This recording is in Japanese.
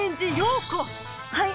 はい！